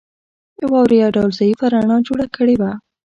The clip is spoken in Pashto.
واورې یو ډول ضعیفه رڼا جوړه کړې وه